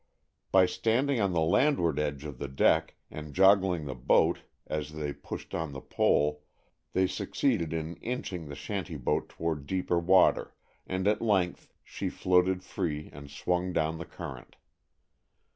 By standing on the landward edge of the deck and joggling the boat as they pushed on the pole they succeeded in inching the shanty boat toward deeper water, and at length she floated free and swung down the current.